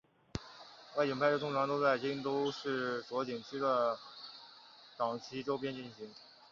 外景拍摄通常都在京都市左京区的冈崎周边进行。